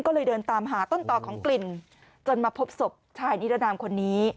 ก็เลยเดินตามหาต้นต่อของกลิ่นจนมาพบศพชายนิรนามคนนี้